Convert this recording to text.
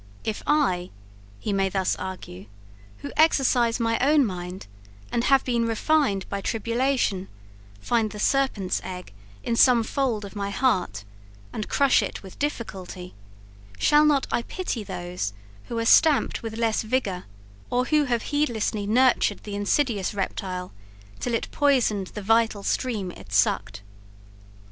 If I, he may thus argue, who exercise my own mind, and have been refined by tribulation, find the serpent's egg in some fold of my heart, and crush it with difficulty, shall not I pity those who are stamped with less vigour, or who have heedlessly nurtured the insidious reptile till it poisoned the vital stream it sucked?